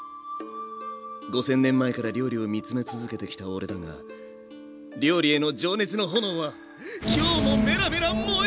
５，０００年前から料理を見つめ続けてきた俺だが料理への情熱の炎は今日もメラメラ燃えてるぜ！